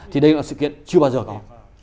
thì đây là sự kiện chưa bao giờ có